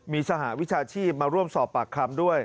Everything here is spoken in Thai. มีสหวิชาชีพมาร่วมสอบปากคำด้วย